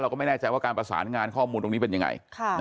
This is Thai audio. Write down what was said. ก็ไม่แน่ใจว่าการประสานงานข้อมูลตรงนี้เป็นยังไง